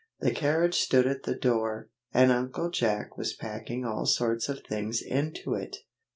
The carriage stood at the door, and Uncle Jack was packing all sorts of things into it.